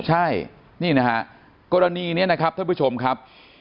ใช่นี่นะฮะกรณีนี้นะครับท่านผู้ชมครับ